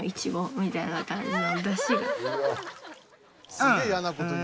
すげぇいやなこと言う。